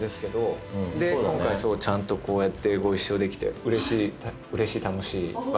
で今回ちゃんとこうやってご一緒できてうれしい楽しいわくわく。